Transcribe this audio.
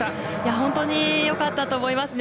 本当によかったと思いますね。